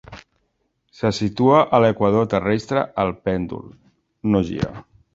Si se situa a l'equador terrestre, el pèndol no gira.